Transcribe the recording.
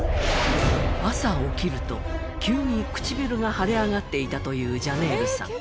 朝起きると急に唇が腫れ上がっていたというジャネールさん。